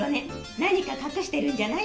何か隠してるんじゃない？